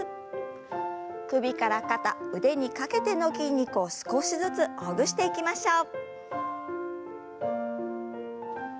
首から肩腕にかけての筋肉を少しずつほぐしていきましょう。